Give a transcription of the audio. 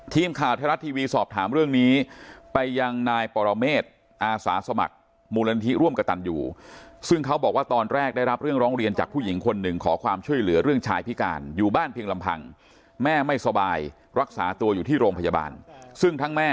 ทีมข่าวไทยรัฐทีวีสอบถามเรื่องนี้ไปยังนายปรเมษอาสาสมัครมูลนิธิร่วมกระตันอยู่